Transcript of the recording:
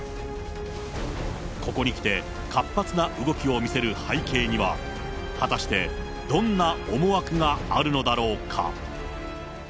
ここにきて、活発な動きを見せる背景には、果たしてどんな思惑があるのだろうか。